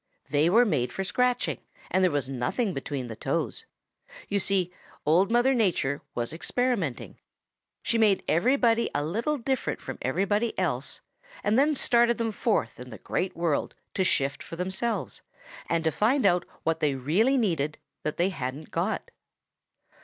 They were made for scratching, and there was nothing between the toes. You see, Old Mother Nature was experimenting. She made everybody a little different from everybody else and then started them forth in the Great World to shift for themselves and to find out what they really needed that they hadn't got.